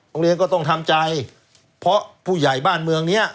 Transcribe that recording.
เรียนก็ต้องทำใจเพราะผู้ใหญ่บ้านเมืองเนี้ย